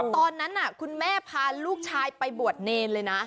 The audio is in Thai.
ตอนนั้นคุณแม่ฟาร์ลูกไปบวชเนรเลย